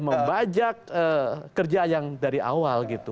membajak kerja yang dari awal gitu